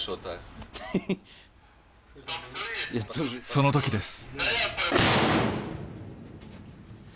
その時です。